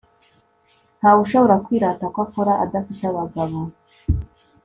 Ntawe ushobora kwirata ko akora adafite abagabo